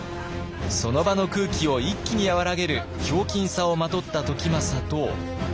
その場の空気を一気に和らげるひょうきんさをまとった時政と。